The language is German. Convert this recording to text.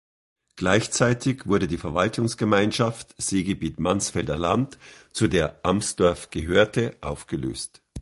Gleichzeitig wurde die Verwaltungsgemeinschaft Seegebiet Mansfelder Land, zu der Amsdorf gehörte, aufgelöst.